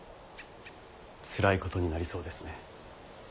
つらいことになりそうですね。